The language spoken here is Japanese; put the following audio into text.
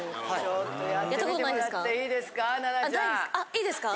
いいですか？